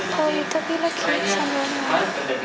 tahu tapi lagi